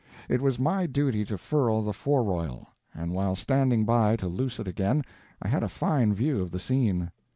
It was my duty to furl the fore royal; and while standing by to loose it again, I had a fine view of the scene.